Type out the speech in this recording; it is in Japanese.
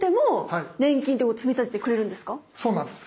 そうなんです。